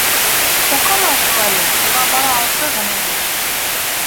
Уҡымай шул әле, уға бары алты ғына йәш.